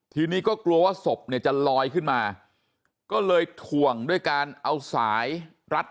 ทีนี้ก็กลัวว่าศพเนี่ยจะลอยขึ้นมาก็เลยถ่วงด้วยการเอาสายรัด